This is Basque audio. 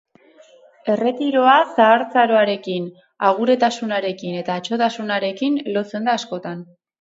Erretiroa zahartzaroarekin, aguretasunarekin edo atsotasunarekin lotzen da askotan.